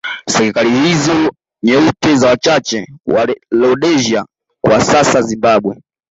Serikali hizo nyeupe za wachache wa Rhodesia kwa sasa Zimbabwe